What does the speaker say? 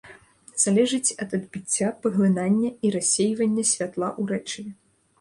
Залежыць ад адбіцця, паглынання і рассейвання святла ў рэчыве.